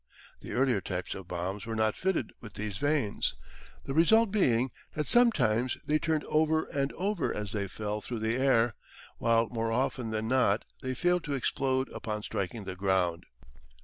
The earlier types of bombs were not fitted with these vanes, the result being that sometimes they turned over and over as they fell through the air, while more often than not they failed to explode upon striking the ground.